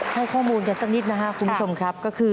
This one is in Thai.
ให้ข้อมูลกันสักนิดนะครับคุณผู้ชมครับก็คือ